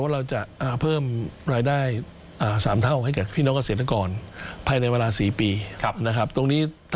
ซึ่งจะเพิ่มรายได้ให้กับเกษตรกรได้เป็นอย่างดี